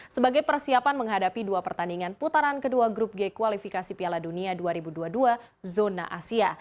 sebagai persiapan menghadapi dua pertandingan putaran kedua grup g kualifikasi piala dunia dua ribu dua puluh dua zona asia